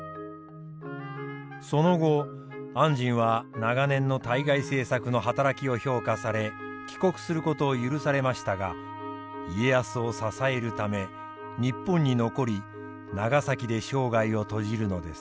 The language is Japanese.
その後按針は長年の対外政策の働きを評価され帰国することを許されましたが家康を支えるため日本に残り長崎で生涯を閉じるのです。